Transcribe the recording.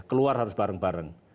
keluar harus bareng bareng